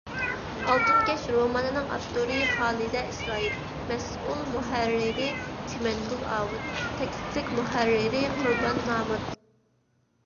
«ئالتۇن كەش» رومانىنىڭ ئاپتورى: خالىدە ئىسرائىل؛ مەسئۇل مۇھەررىرى: چىمەنگۈل ئاۋۇت؛ تەكلىپلىك مۇھەررىرى: قۇربان مامۇت